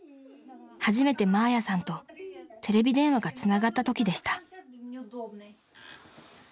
［初めてマーヤさんとテレビ電話がつながったときでした］